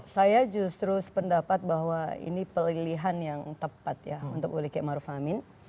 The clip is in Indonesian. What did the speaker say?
saya justru sependapat bahwa ini pilihan yang tepat ya untuk oleh k maruf amin